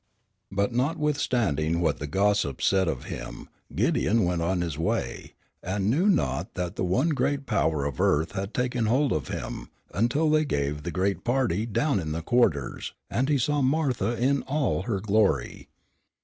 But notwithstanding what the gossips said of him, Gideon went on his way, and knew not that the one great power of earth had taken hold of him until they gave the great party down in the quarters, and he saw Martha in all her glory.